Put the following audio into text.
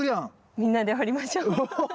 みんなで掘りましょう。